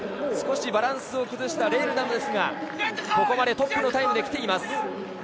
少しバランスを崩したレールダムですがここまでトップのタイム。